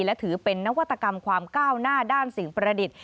และถือเป็นนวัตกรรมความก้าวหน้าด้านสิ่งประดิษฐ์